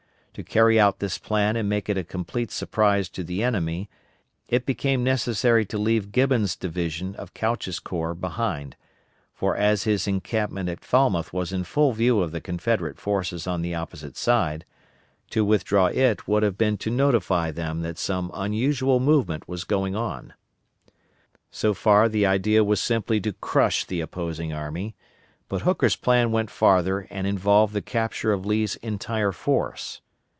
To carry out this plan and make it a complete surprise to the enemy it became necessary to leave Gibbon's division of Couch's corps behind, for as his encampment at Falmouth was in full view of the Confederate forces on the opposite side, to withdraw it would have been to notify them that some unusual movement was going on. So far the idea was simply to crush the opposing army, but Hooker's plan went farther and involved the capture of Lee's entire force.